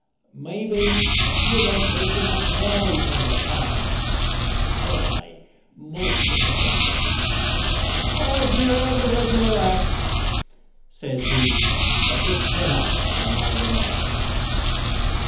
"Mebbe you don't make enough noise when you ha'nt," says I most sympathetic. "I do all the regular acts," says he, a bit het up by my remark.